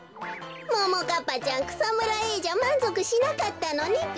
ももかっぱちゃんくさむらＡじゃまんぞくしなかったのねべ。